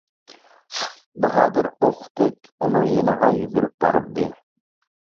باھادىر ئوقتەك ئۇنىڭ يېنىغا يۈگۈرۈپ باردى.